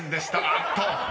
あっと］